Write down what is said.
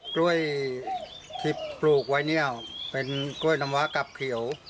กล้วยที่ปลูกไว้เนี่ยเป็นกล้วยน้ำวะกับเขียว